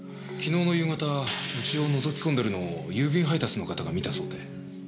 昨日の夕方うちをのぞき込んでるのを郵便配達の方が見たそうで。